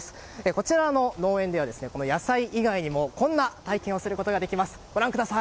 こちらの農園では野菜以外にもこんな体験をすることができます。